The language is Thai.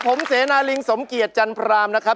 ผมเสนาลิงสมเกียจจันพรามนะครับ